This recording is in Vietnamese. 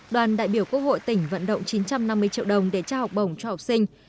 đoàn đại biểu quốc hội tỉnh vận động chín trăm năm mươi triệu đồng để trao học bổng cho học sinh